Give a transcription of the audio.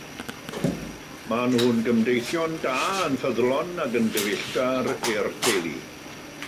Maen nhw'n gymdeithion da, yn ffyddlon ac yn gyfeillgar i'r teulu.